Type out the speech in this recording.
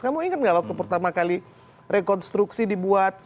kamu ingat nggak waktu pertama kali rekonstruksi dibuat